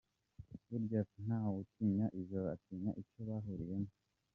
Burya ntawutinya ijoro atinya ucyo bahuriyemo.